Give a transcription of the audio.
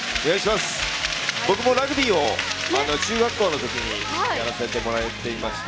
僕もラグビーを中学校のときにやらせてもらっていまして。